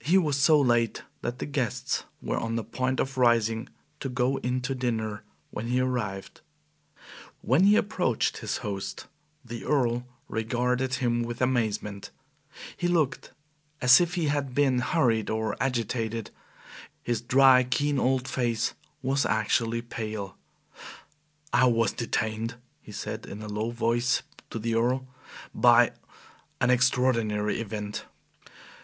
He was so late that the guests were on the point of rising to go in to dinner when he arrived. When he approached his host, the Earl regarded him with amazement. He looked as if he had been hurried or agitated; his dry, keen old face was actually pale. "I was detained," he said, in a low voice to the Earl, "by an extraordinary event."